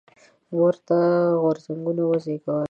ورته غورځنګونه وزېږېدل.